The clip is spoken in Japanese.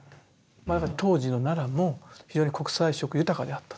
当時の奈良の非常に国際色豊かであったと。